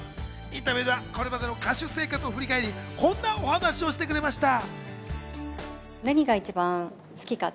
インタビューではこれまでの歌手生活を振り返り、こんなお話をしてくれました。